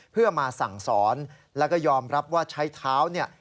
เพื่อมาสั่งสอนแล้วก็ยอมรับว่าใช้เท้าเนี่ย